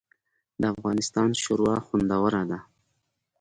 د افغانستان شوروا خوندوره ده